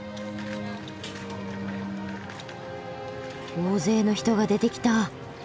大勢の人が出てきた。